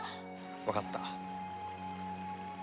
わかった。